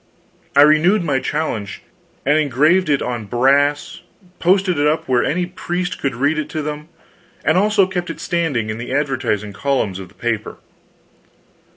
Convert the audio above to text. I renewed my challenge, engraved it on brass, posted it up where any priest could read it to them, and also kept it standing in the advertising columns of the paper.